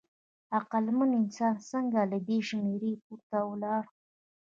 عقلمن انسان څنګه له دې شمېر پورته ولاړ؟